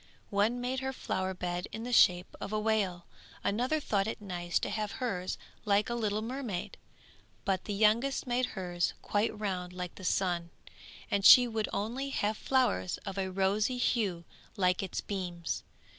One made her flower bed in the shape of a whale; another thought it nice to have hers like a little mermaid; but the youngest made hers quite round like the sun, and she would only have flowers of a rosy hue like its beams.